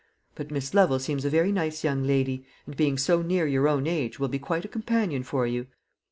But Miss Lovel seems a very nice young lady, and being so near your own age will be quite a companion for you."